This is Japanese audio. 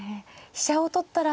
飛車を取ったら。